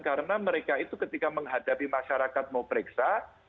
karena mereka itu ketika menghadapi masyarakat mau periksa